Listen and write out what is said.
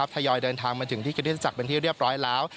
ทยอยเดินทางมาถึงที่คิตศักดิเป็นที่เรียบร้อยแล้ว